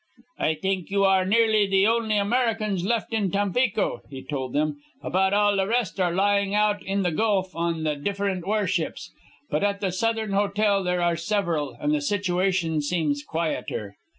"I think you are nearly the only Americans left in Tampico," he told them. "About all the rest are lying out in the Gulf on the different warships. But at the Southern Hotel there are several, and the situation seems quieter."